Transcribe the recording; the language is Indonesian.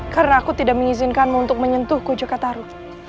karena aku tidak mengizinkanmu untuk menyentuhku cekataru